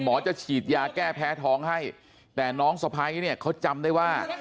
จะฉีดยาแก้แพ้ท้องให้แต่น้องสะพ้ายเนี่ยเขาจำได้ว่า